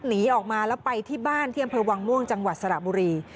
หนีออกมาแล้วไปที่บ้านที่อำเภอวังม่วงจังหวัดสระบุรี